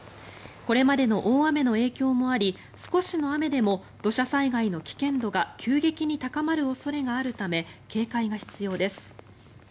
これまでの大雨の影響もあり少しの雨でも土砂災害の危険度が急激に高まる恐れがあるため警戒が必要です。